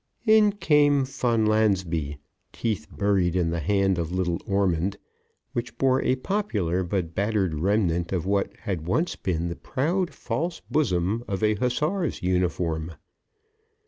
In came Fonlansbee, teeth buried in the hand of little Ormond, which bore a popular but battered remnant of what had once been the proud false bosom of a hussar's uniform.